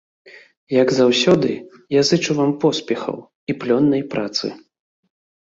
Як заўсёды, я зычу вам поспехаў і плённай працы.